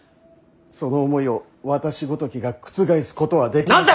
その思いを私ごときが覆すことはできません。